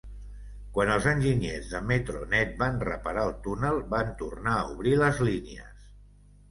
Quan els enginyers de Metronet van reparar el túnel, van tornar a obrir les línies.